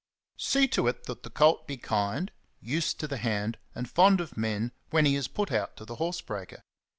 See to it that the colt be kind, used to the hand, and fond of men when he is put out to the horse breaker.